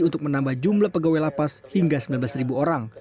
untuk menambah jumlah pegawai lapas hingga sembilan belas orang